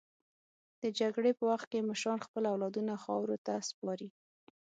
د جګړې په وخت کې مشران خپل اولادونه خاورو ته سپاري.